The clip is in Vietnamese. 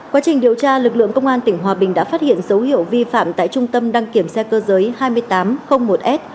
quá trình điều tra lực lượng công an tỉnh hòa bình đã phát hiện dấu hiệu vi phạm tại trung tâm đăng kiểm xe cơ giới hai nghìn tám trăm linh một s